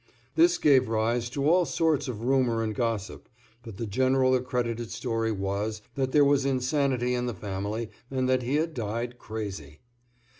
This gave rise to all sorts of rumor and gossip; but the generally accredited story was, that there was insanity in the family and that he had died crazy.